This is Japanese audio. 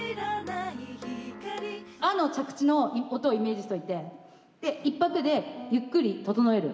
「あ」の着地の音をイメージしておいてで１拍でゆっくり整える。